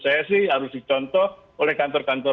saya sih harus dicontoh oleh kantor kantor